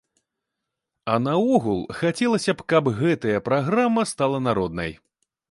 А наогул, хацелася б, каб гэтая праграма стала народнай.